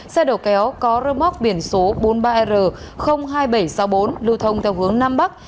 xe đầu kéo có rơ móc biển số bốn mươi ba r hai nghìn bảy trăm sáu mươi bốn lưu thông theo hướng nam bắc